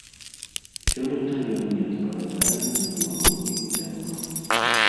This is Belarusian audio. Сёлета ён не адпавядае мінулагоднім тэмпам.